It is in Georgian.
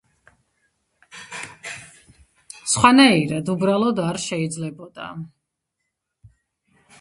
სხვანაირად, უბრალოდ არ შეიძლებოდა.